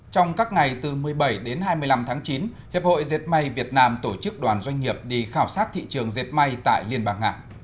trong các ngày từ một mươi bảy đến hai mươi năm tháng chín hiệp hội diệt may việt nam tổ chức đoàn doanh nghiệp đi khảo sát thị trường diệt may tại liên bang nga